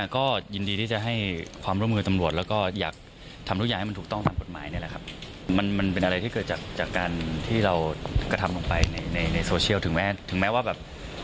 กฎหมายครับ